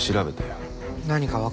何かわかったの？